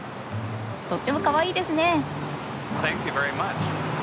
とってもかわいいですね！